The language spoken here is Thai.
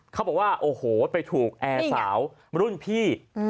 เขาบอกว่าโอ้โหไปถูกแอร์สาวรุ่นพี่